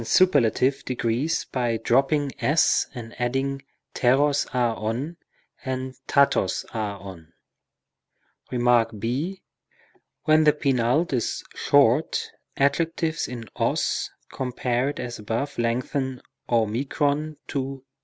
35 superlative degrees by dropping s and adding repos, a, ov and raros, α, OV. Kem. ὃ. When the penult is short, adjectives in os compared as above lengthen o tow.